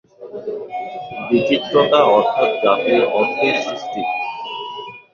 বিচিত্রতা অর্থাৎ জাতির অর্থই সৃষ্টি।